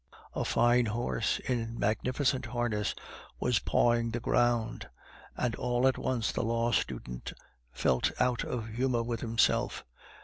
A fine horse, in magnificent harness, was pawing the ground, and all at once the law student felt out of humor with himself.